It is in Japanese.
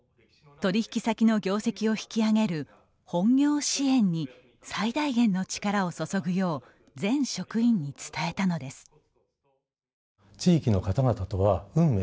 取引先の業績を引き上げる本業支援に最大限の力を注ぐよう全職員に伝えたのです。